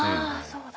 そうだ。